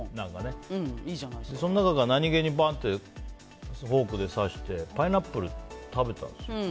その中から何気にフォークで刺してパイナップル食べたんですよ。